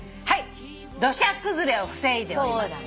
はい土砂崩れを防いでおります。